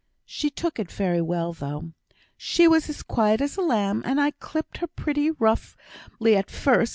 She took it very well, though. She was as quiet as a lamb, and I clipped her pretty roughly at first.